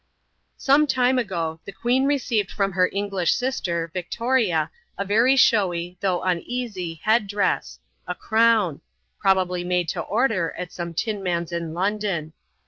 Some time ago, the queen received from her English sister, Victoria, a very showy, though uneasy, headdress — a crown; probably made to order, at some tinman's in London.